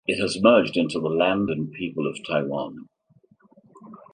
It has merged into the land and people of Taiwan.